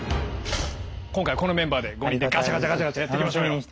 今回このメンバーで５人でガチャガチャガチャガチャやっていきましょうよ。